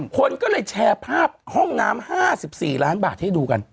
คนก็เลยแชร์ภาพห้องน้ำ๕๔ล้านบาทให้ดูกัน